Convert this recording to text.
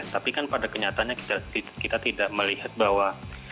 tapi kan pada kenyataannya kita tidak melihat bahwa